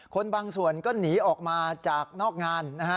บางส่วนก็หนีออกมาจากนอกงานนะฮะ